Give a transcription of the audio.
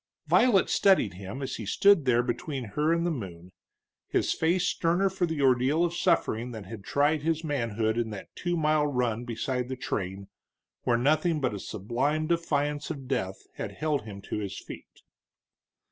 Violet studied him as he stood there between her and the moon, his face sterner for the ordeal of suffering that had tried his manhood in that two mile run beside the train, where nothing but a sublime defiance of death had held him to his feet.